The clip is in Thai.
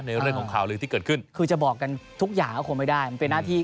เรื่องของข่าวลือที่เกิดขึ้นคือจะบอกกันทุกอย่างก็คงไม่ได้มันเป็นหน้าที่